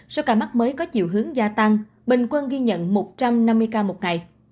số ca mắc mới có chiều hướng gia tăng bình quân ghi nhận một trăm năm mươi ca một ngày